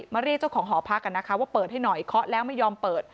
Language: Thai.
เรียกเจ้าของหอพักกันนะคะว่าเปิดให้หน่อยเคาะแล้วไม่ยอมเปิด